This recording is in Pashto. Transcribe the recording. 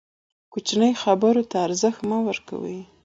کوچنۍ خبرو ته ارزښت مه ورکوئ!